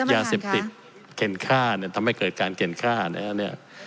ยาเสพติดเกร็นค่าเนี่ยทำให้เกิดการเกร็นค่าเนี่ย